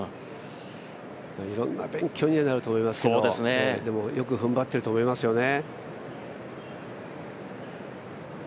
いろんな勉強にはなると思いますけどでも、よくふんばっていると思いますね。